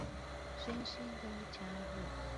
身心都加入